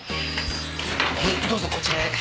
どうぞこちらへ。